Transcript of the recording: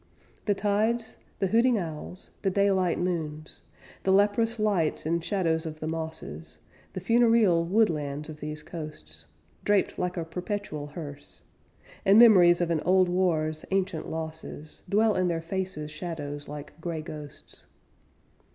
The tides, the hooting owls, the daylight moons, The leprous lights and shadows of the mosses, The funereal woodlands of these coasts, Draped like a perpetual hearse, And memories of an old war's ancient losses, Dwell in their faces' shadows like gray ghosts.